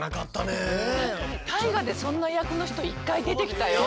「大河」でそんな役の人一回出てきたよ。